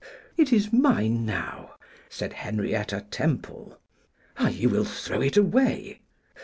'It is mine now,' said Henrietta Temple. 'Ah! you will throw it away.